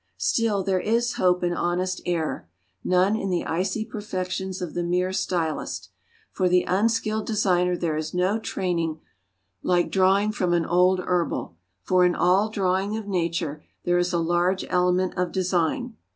Still there is hope in honest error: none in the icy perfections of the mere stylist. For the unskilled designer there is no training like drawing from an old herbal; for in all old drawing of Nature there is a large element of design.